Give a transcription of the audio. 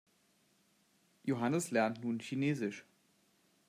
Johannes lernt nun Chinesisch.